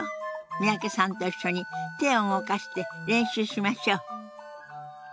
三宅さんと一緒に手を動かして練習しましょう。